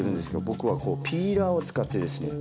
僕はこうピーラーを使ってですね